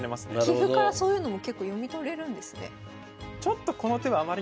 棋譜からそういうのも結構読み取れるんですね。